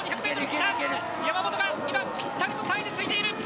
山本が今ぴったりと３位についている！